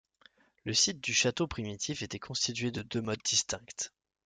Le site du château primitif était constitué de deux mottes distinctes.